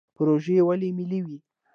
پروژې ولې ملي وي؟